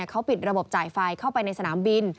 เขาปิดระบบจ่ายไฟเข้าไปในสนามบิน